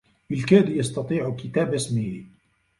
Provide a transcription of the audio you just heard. بالكاد يستطيع كتاب اسمه.